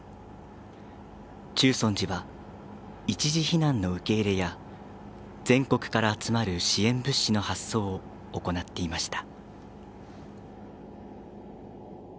中尊寺は一時避難の受け入れや全国から集まる支援物資の発送を行っていました。